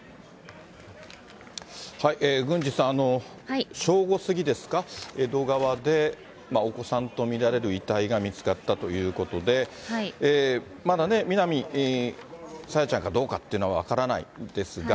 郡司さん、正午過ぎですか、江戸川でお子さんと見られる遺体が見つかったということで、まだ、南朝芽ちゃんかどうかっていうのは分からないですが。